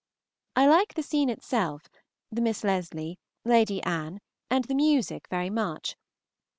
I like the scene itself, the Miss Leslie, Lady Anne, and the music very much.